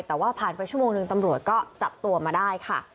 แต่ว่าผ่านไปชั่วโมงหนึ่งตำรวจก็จับตัวมาได้ค่ะ